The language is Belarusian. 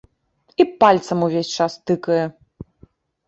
І пальцам увесь час тыкае.